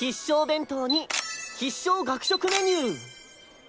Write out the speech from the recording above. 弁当に必勝学食メニュー！